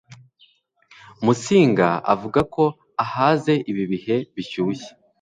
musinga avuga ko ahaze ibi bihe bishyushye